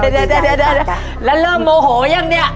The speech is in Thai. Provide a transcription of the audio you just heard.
เดี๋ยวแล้วเริ่มโมโหยังเนี่ย